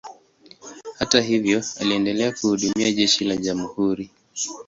Hata hivyo, aliendelea kuhudumia jeshi la jamhuri.